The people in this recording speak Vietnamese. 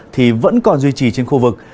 thì vẫn còn duy trì trên khu vực